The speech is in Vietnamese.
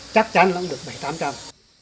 chắc chắn cũng được bảy tám trăm